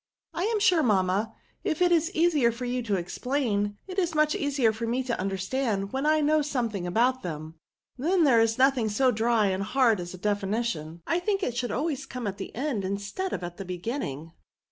T 3 '* I am sute, mamma, if it is easier for you to explain, it is much easier for me to under stand when I know something about them. Then there is nothing so dry and hard as a definition ; I think it should always come in at the end instead of at the beginning.''